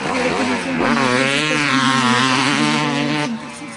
La definición de macros aportan una mayor flexibilidad a la sintaxis.